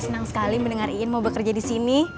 senang sekali mendengarkan mau bekerja di sini